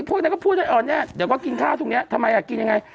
พวกนั้นก็พูดว่าเออเนี่ยเดี๋ยวก็กินข้าวตรงนี้ทำไมกินยังไง